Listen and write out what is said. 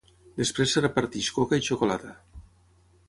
Després es reparteix coca i xocolata.